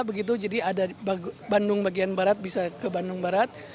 begitu jadi ada bandung bagian barat bisa ke bandung barat